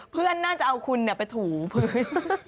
เพื่อนน่าจะเอาคุณไปถูพื้น